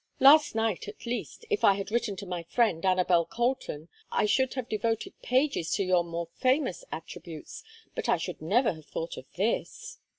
Last night, at least, if I had written to my friend, Anabel Colton, I should have devoted pages to your more famous attributes, but I should never have thought of this."